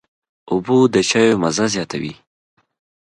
اوبه د چايو مزه زیاتوي.